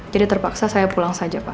terpaksa saya pulang saja pak